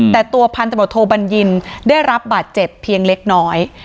แต่ตัวพันธบทโทบัญญินได้รับบาดเจ็บเพียงเล็กน้อย